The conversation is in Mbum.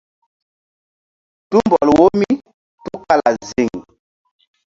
Tumbɔl wo mí tukala ziŋ.